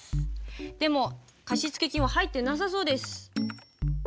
でも貸付金は入ってなさそうです。